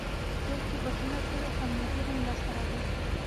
څوک چې بښنه کوي کامیابي هم لاسته راوړي.